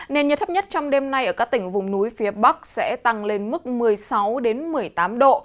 nền nhiệt thấp nhất trong đêm nay ở các tỉnh vùng núi phía bắc sẽ tăng lên mức một mươi sáu một mươi tám độ